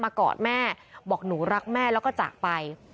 กอดแม่บอกหนูรักแม่แล้วก็จากไป